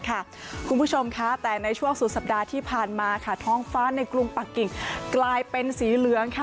คุณผู้ชมค่ะแต่ในช่วงสุดสัปดาห์ที่ผ่านมาท้องฟ้าในกรุงปักกิ่งกลายเป็นสีเหลือง